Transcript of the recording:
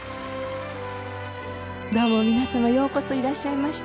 どうも皆様ようこそいらっしゃいました。